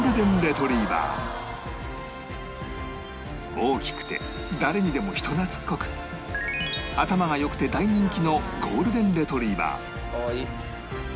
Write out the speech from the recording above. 大きくて誰にでも人懐っこく頭が良くて大人気のゴールデン・レトリーバー